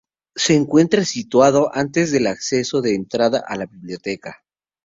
Se encuentra situado antes del acceso de entrada a la biblioteca.